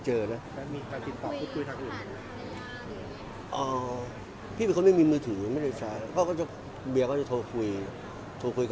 อเจมส์พี่พีคมันไม่มีมือถือไม่ได้ใช้เพราะว่าเบียก็จะโทรคุย